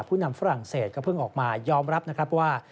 ผู้นำฝรั่งเศสก็เพิ่งออกมายอมรับนะครับว่า